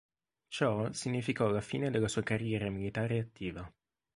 Ciò significò la fine della sua carriera militare attiva.